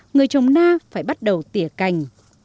người trồng na phải bắt đầu tỉa cành